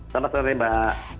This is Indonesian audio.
selamat sore mbak